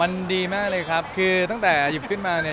มันดีมากเลยครับคือตั้งแต่หยิบขึ้นมาเนี่ย